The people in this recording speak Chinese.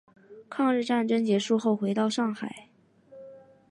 抗日战争结束后回到上海。